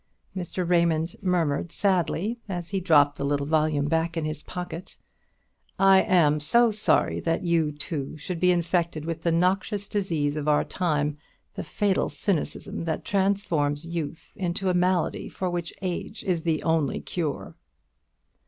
Mr. Raymond murmured sadly, as he dropped the little volume back into his pocket; "I am so sorry that you too should be infected with the noxious disease of our time, the fatal cynicism that transforms youth into a malady for which age is the only cure."